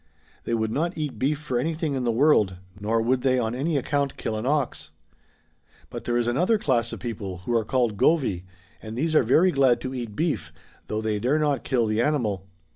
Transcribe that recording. They would not eat beef for anything in the world, nor would they on any account kill an ox. But there is another class of people who are called Govy^ and these are very glad to eat beef, though they dare not kill the animal.